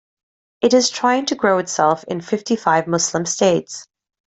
It is trying to grow itself in fifty-five Muslim states.